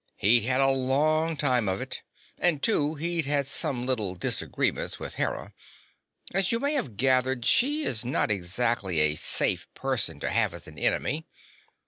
He'd had a long time of it. And, too, he'd had some little disagreements with Hera. As you may have gathered, she is not exactly a safe person to have as an enemy.